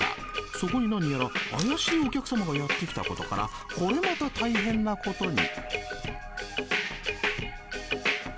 そこに何やら怪しいお客様がやって来たことからこれまた大変なことに。